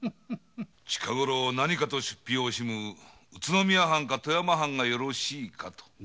近ごろ何かと出費を惜しむ宇都宮藩か富山藩がよろしいかと。